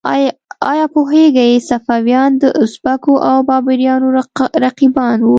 ایا پوهیږئ صفویان د ازبکو او بابریانو رقیبان وو؟